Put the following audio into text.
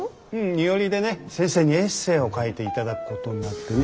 二折でね先生にエッセーを書いて頂くことになってね。